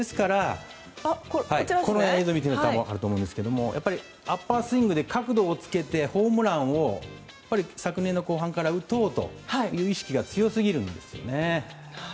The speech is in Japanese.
映像を見ていただくと分かると思うんですがやっぱり、アッパースイングで角度をつけてホームランを昨年の後半から打とうという意識が強すぎるんですよね。